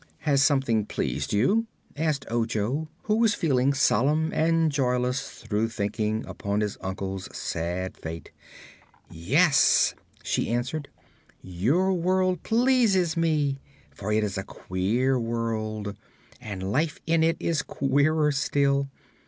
"Has something pleased you?" asked Ojo, who was feeling solemn and joyless through thinking upon his uncle's sad fate. "Yes," she answered. "Your world pleases me, for it's a queer world, and life in it is queerer still.